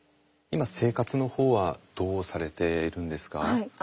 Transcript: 今生活の方はどうされているんですか？